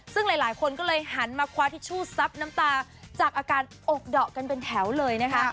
ซึ่งหลายคนก็เลยหันมาคว้าทิชชู่ซับน้ำตาจากอาการอกดอกกันเป็นแถวเลยนะคะ